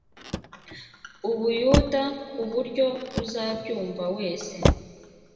u buyuda ku buryo uzabyumva wese